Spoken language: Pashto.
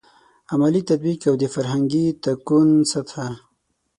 عملي تطبیق او د فرهنګي تکون سطحه.